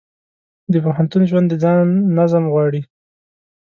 د پوهنتون ژوند د ځان نظم غواړي.